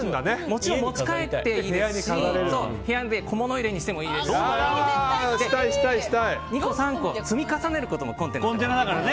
もちろん持ち帰っていいですし部屋で小物入れにしてもいいですし２個３個積み重ねることもできます。